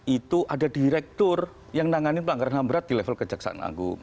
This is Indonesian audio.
itu ada direktur yang menangani pelanggaran ham berat di level kejaksaan agung